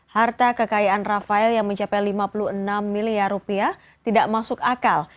harta kekayaan rafael yang mencapai lima puluh enam miliar rupiah tidak masuk akal